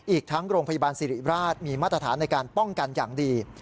อีกทั้งโรงพยาบาลสิริราชมีมาตรฐานในการป้องกันอย่างดี